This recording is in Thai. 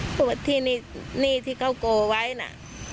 เพราะว่าที่นี่หนี้ที่เขากลัวไว้นะ